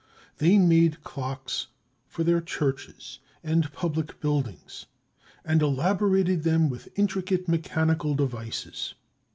They made clocks for their churches and public buildings, and elaborated them with intricate mechanical devices.